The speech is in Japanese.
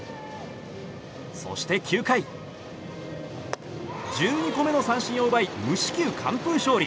そして、９回１２個目の三振を奪い無四球完封勝利。